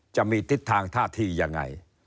จะมีทิศทางท่าทียังไง